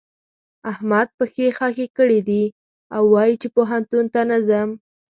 احمد پښې خښې کړې دي او وايي چې پوهنتون ته نه ځم.